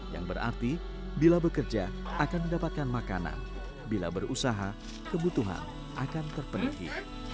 yang berarti bila bekerja akan mendapatkan makanan bila berusaha kebutuhan akan terpenuhi